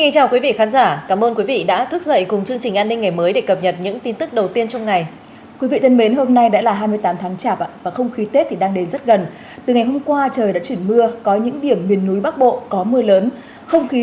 chào mừng quý vị đến với bộ phim hãy nhớ like share và đăng ký kênh của chúng mình nhé